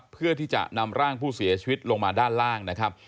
เพื่อที่จะนำร่างผู้เสียชีวิตลงมาด้านล่างนะครับ